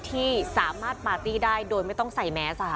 ที่สามารถปาร์ตี้ได้โดยไม่ต้องใส่แมส